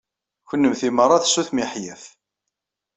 Kunemti meṛṛa d sut miḥyaf.